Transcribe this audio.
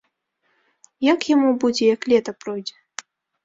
Як яму будзе, як лета пройдзе?